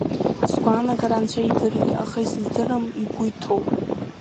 Сгәаанагара Анцәа идырит, аха исыздырам игәы иҭоу.